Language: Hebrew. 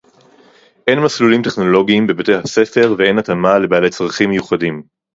אין מסלולים טכנולוגיים בבתי-הספר ואין התאמה לבעלי צרכים מיוחדים